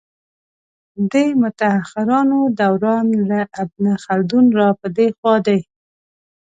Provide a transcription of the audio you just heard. د متاخرانو دوران له ابن خلدون را په دې خوا دی.